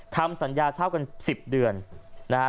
ทำสัญญาเช่ากัน๑๐เดือนนะฮะ